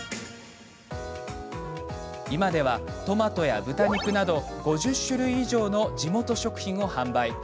今では、トマトや豚肉など５０種類以上の地元食品を販売。